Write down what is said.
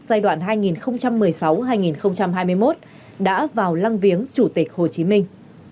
giai đoạn hai nghìn một mươi sáu hai nghìn hai mươi một đã vào lăng viếng chủ tịch hồ chí minh